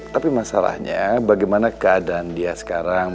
tapi masalahnya bagaimana keadaan dia sekarang